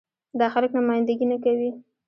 دا خلک نماينده ګي نه کوي.